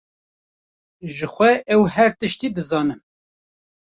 Jixwe ew her tiştî dizanin.